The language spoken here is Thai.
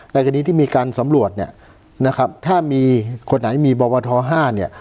คดีที่มีการสำรวจเนี่ยนะครับถ้ามีคนไหนมีบวท๕เนี่ย